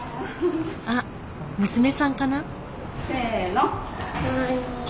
あっ娘さんかな？